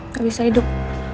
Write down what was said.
gak bisa hidup